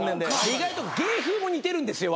意外と芸風も似てるんですよ